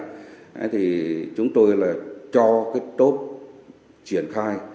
thế thì chúng tôi là cho cái tốt triển khai